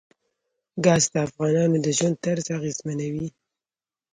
ګاز د افغانانو د ژوند طرز اغېزمنوي.